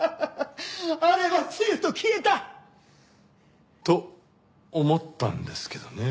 あれは露と消えた！と思ったんですけどね。